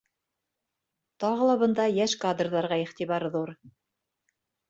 Тағы ла бында йәш кадрҙарға иғтибар ҙур.